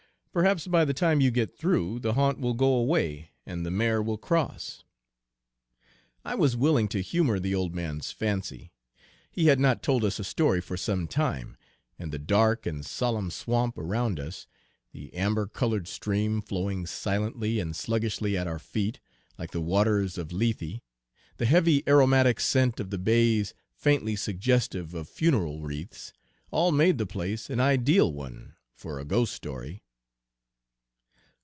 "Perhaps, by the time you get through, the haunt will go away and the mare will cross." I was willing to humor the old man's fancy. He had not told us a story for some time; and the dark and solemn swamp around us; the amber colored stream flowing silently and sluggishly at our feet, like the waters of Lethe; the heavy, aromatic scent of the bays, faintly suggestive of funeral wreaths, Page 204 all made the place an ideal one for a ghost story.